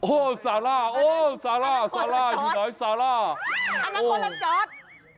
โอ้ยสาร่ะอยู่ไหนอันนั้นคนละจอร์ท